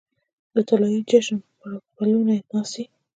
د طلايې جشن پرپلونو ناڅي